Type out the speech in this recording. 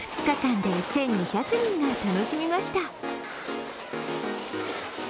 ２日間で１２００人が楽しみました。